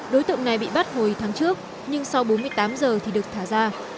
đối tượng này bị bắt hồi tháng trước nhưng sau bốn mươi tám giờ thì được thả ra